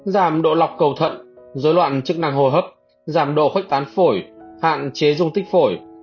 giảm độ lọc cầu thận dối loạn chức năng hô hấp giảm độ khuếch tán phổi hạn chế dung tích phổi